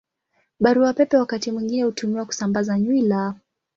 Barua Pepe wakati mwingine hutumiwa kusambaza nywila.